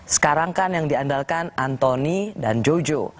sekarang kan yang diandalkan antoni dan jojo